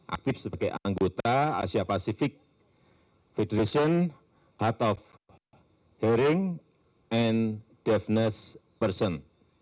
aktif sebagai anggota asia pasifik federation heart of hearing and deafness person